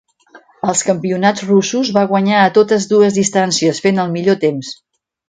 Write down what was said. Als campionats russos, va guanyar a totes dues distàncies fent el millor temps.